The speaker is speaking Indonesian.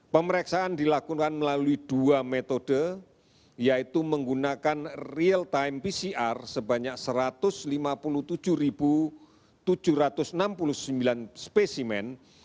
pemeriksaan dilakukan melalui dua metode yaitu menggunakan real time pcr sebanyak satu ratus lima puluh tujuh tujuh ratus enam puluh sembilan spesimen